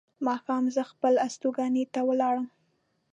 ماښام زه خپل استوګنځي ته ولاړم.